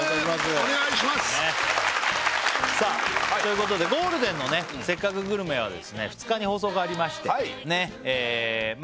お願いしますさあということでゴールデンのね「せっかくグルメ！！」は２日に放送がありましてまあ